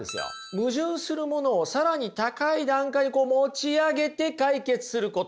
矛盾するものを更に高い段階に持ち上げて解決すること。